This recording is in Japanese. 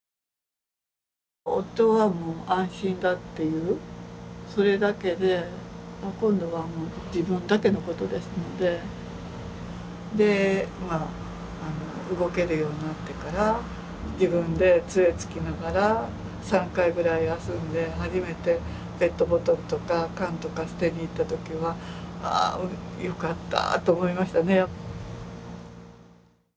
夫はもう安心だっていうそれだけで今度はもう自分だけのことですのでまあ動けるようになってから自分でつえつきながら３回ぐらい休んで初めてペットボトルとか缶とか捨てに行った時は「あよかった」と思いましたね。